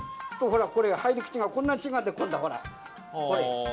ほらこれ入り口がこんな違うんだほら。